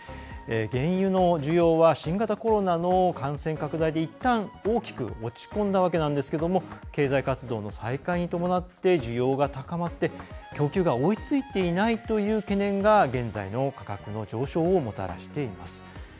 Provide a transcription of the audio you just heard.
原油の需要は新型コロナの感染拡大でいったん大きく落ち込んだわけなんですが経済活動の再開に伴って需要が高まって供給が追いついていないという懸念が現在の価格の上昇をもたらしています。